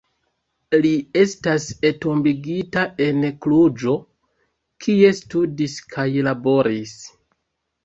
Li estas entombigita en Kluĵo, kie studis kaj laboris.